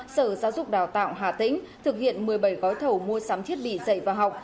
sở giáo dục đào tạo hà tĩnh thực hiện một mươi bảy gói thầu mua sắm thiết bị dạy và học